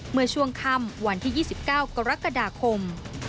เมื่อช่วงค่ำวันที่๒๙กรกฎาคม